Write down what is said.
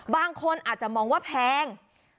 บางคนอาจจะมองว่าแพง